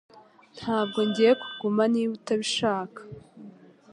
Ntabwo ngiye kuguma niba utabishaka